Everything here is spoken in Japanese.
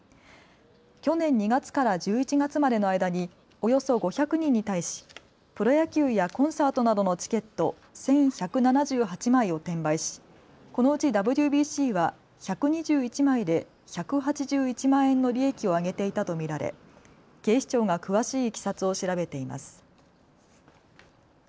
去年２月から１１月までの間におよそ５００人に対しプロ野球やコンサートなどのチケット１１７８枚を転売し、このうちＷＢＣは１２１枚で１８１万円の利益を上げていたと見られ警視庁が詳しいいきさつを調べています。